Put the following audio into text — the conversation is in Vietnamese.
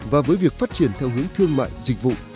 và với việc phát triển theo hướng thương mại dịch vụ